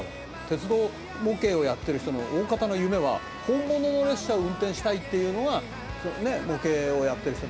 鉄道模型をやってる人の大方の夢は、本物の列車を運転したいっていうのが、ね、模型をやってる人。